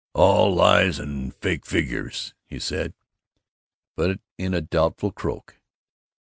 "All lies and fake figures," he said, but in a doubtful croak.